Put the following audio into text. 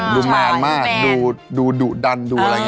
ดูมารดุดัน